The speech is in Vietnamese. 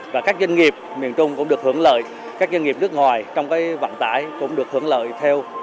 và các doanh nghiệp miền trung cũng được hưởng lợi các doanh nghiệp nước ngoài trong vận tải cũng được hưởng lợi theo